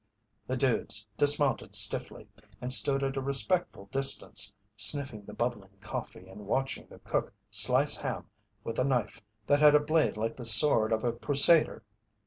The "dudes" dismounted stiffly and stood at a respectful distance, sniffing the bubbling coffee and watching the cook slice ham with a knife that had a blade like the sword of a Crusader.